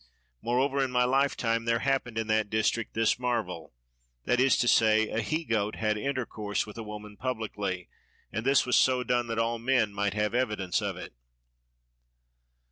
Moreover in my lifetime there happened in that district this marvel, that is to say a he goat had intercourse with a woman publicly, and this was so done that all men might have evidence of it.